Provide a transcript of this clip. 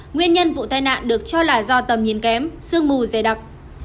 nguyên nhân vụ tai nạn được cho là do tầm nhìn kém sương mù dày đặc